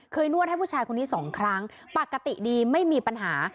นวดให้ผู้ชายคนนี้สองครั้งปกติดีไม่มีปัญหา